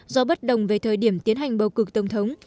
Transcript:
do bất đồng về thời điểm tiến hành bầu cực tổng thống